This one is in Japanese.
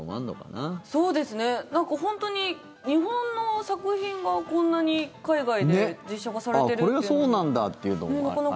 なんか本当に、日本の作品がこんなに海外で実写化されてるっていうの。